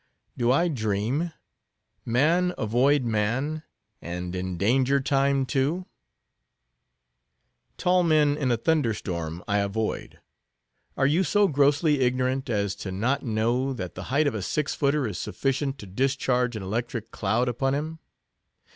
"Do I dream? Man avoid man? and in danger time, too." "Tall men in a thunder storm I avoid. Are you so grossly ignorant as not to know, that the height of a six footer is sufficient to discharge an electric cloud upon him?